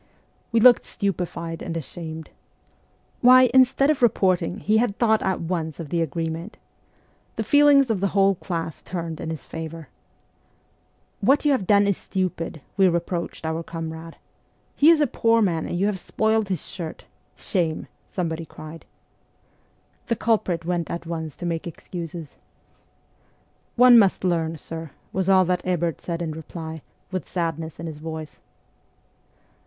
We looked stupefied and ashamed. Why, instead of reporting, he had thought at once of the agreement ! The feelings of the whole class turned in his favour. 'What you have done is stupid,' we reproached our comrade. ' He is a poor man, and you have spoiled his shirt ! Shame !' somebody cried. The culprit went at once to make excuses. ' One must learn, sir,' was all that Ebert said in reply, with sadness in his voice.